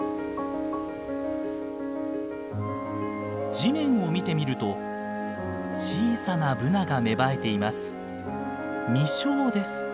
地面を見てみると小さなブナが芽生えています。